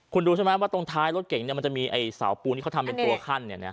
คุณดูใช่ไหมว่าตรงท้ายรถเก่งเนี่ยมันจะมีไอ้สาวปูนี่เขาทำเป็นตัวขั้นเนี่ยเนี่ย